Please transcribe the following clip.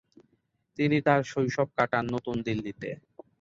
তিনি তার শৈশব কাটান নতুন দিল্লিতে।